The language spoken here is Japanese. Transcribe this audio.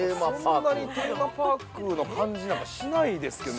◆そんなにテーマパークの感じなんかしないですけどね。